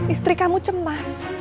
istri kamu cemas